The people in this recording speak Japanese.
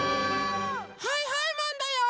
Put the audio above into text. はいはいマンだよ！